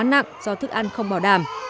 nặng do thức ăn không bảo đảm